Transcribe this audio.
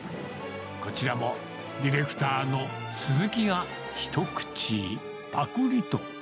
こちらも、ディレクターの鈴木が一口、ぱくりと。